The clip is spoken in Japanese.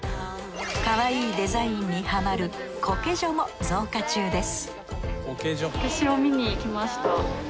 かわいいデザインにハマるこけ女も増加中です